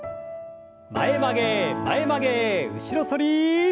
前曲げ前曲げ後ろ反り。